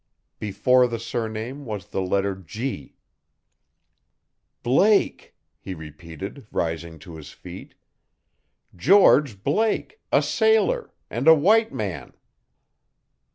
Before the surname was the letter G. "Blake," he repeated, rising to his feet. "GEORGE Blake a sailor and a white man!"